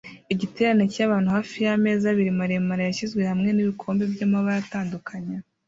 Igiterane cyabantu hafi yameza abiri maremare yashyizwe hamwe nibikombe byamabara atandukanye